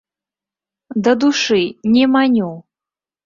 Да душы, не маню!